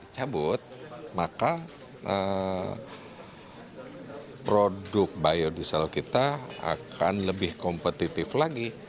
cabut maka produk biodiesel kita akan lebih kompetitif lagi